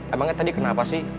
emangnya tadi kenapa sih